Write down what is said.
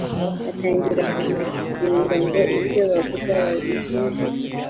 batangira kubinginga ngo ibyo bavuze babihindure